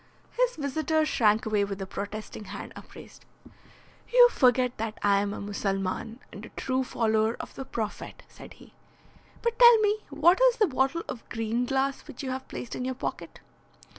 His visitor shrank away, with a protesting hand upraised. "You forget that I am a Mussulman, and a true follower of the Prophet," said he. "But tell me what is the bottle of green glass which you have placed in your pocket?"